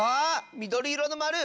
みどりいろのまる！